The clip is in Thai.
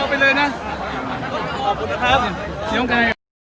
ไม่ได้สู้กับใคร